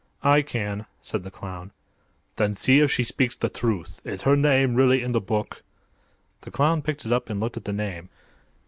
"I can," said the clown. "Then see if she speaks the truth. Is her name really in the book?" The clown picked it up and looked at the name.